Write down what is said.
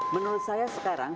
menurut saya sekarang